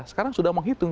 sekarang sudah menghitung